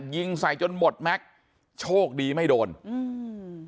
ยิงใส่จนหมดแม็กซ์โชคดีไม่โดนอืม